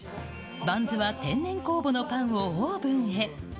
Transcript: バンズは、天然酵母のパンをオーブンへ。